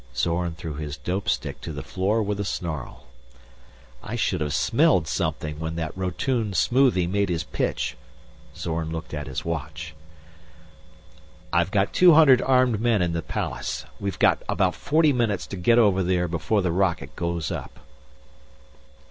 Zorn threw his dope stick to the floor with a snarl. "I should have smelled something when that Rotune smoothie made his pitch." Zorn looked at his watch. "I've got two hundred armed men in the palace. We've got about forty minutes to get over there before the rocket goes up."